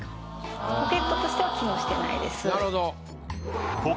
ポケットとしては機能してないです。